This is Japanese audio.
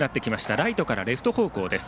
ライトからレフト方向です。